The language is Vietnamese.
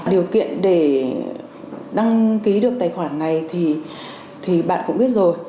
điều kiện để đăng ký được tài khoản này thì bạn cũng biết rồi